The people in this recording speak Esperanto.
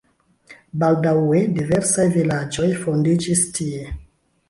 Baldaŭe diversaj vilaĝoj fondiĝis tie.